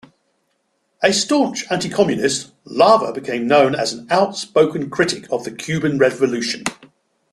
A staunch anti-communist, Lava became known as an outspoken critic of the Cuban Revolution.